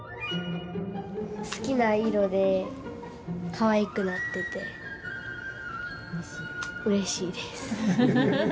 好きな色でかわいくなっててうれしいです。